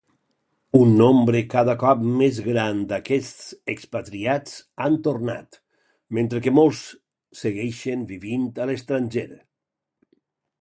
Un nombre cada cop més gran d'aquests expatriats han tornat, mentre que molts segueixen vivint a l'estranger.